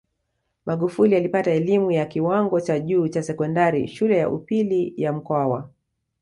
Magufuli alipata elimu ya kiwango cha juu cha sekondari Shule ya Upili ya Mkwawa